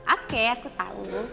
oke aku tau